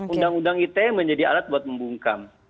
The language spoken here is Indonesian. undang undang ite menjadi alat buat membungkam